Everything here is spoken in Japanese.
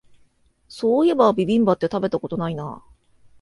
そういえばビビンバって食べたことないな